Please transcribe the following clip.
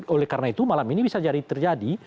oleh karena itu malam ini bisa jadi terjadi